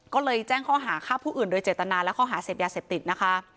ก็เลยแจ้งข้อหาฆ่าผู้อื่นโดยเจตนาและข้อหาเสพยาเสพติดนะคะ